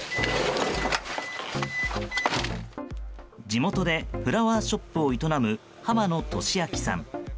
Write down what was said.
地元でフラワーショップを営む濱野年晃さん。